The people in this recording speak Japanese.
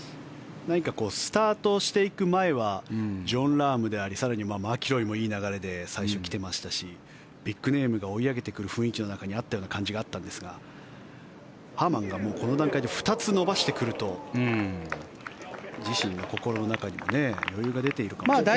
何かスタートしていく前はジョン・ラームでありマキロイもいい流れで最初、来ていましたしビッグネームが追い上げてくる雰囲気の中にあったような感じにあったんですがハーマンがこの段階で２つ伸ばしてくると自身の心の中にも余裕が出ているかもしれません。